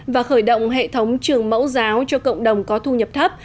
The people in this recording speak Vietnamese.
và khởi động hệ thống trường mẫu giáo cho cộng đồng có thu nhập thấp